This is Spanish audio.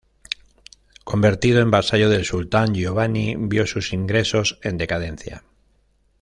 Convertido en vasallo del sultán, Giovanni vio sus ingresos en decadencia.